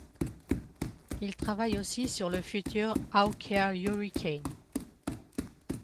Il travaille aussi sur le futur Hawker Hurricane.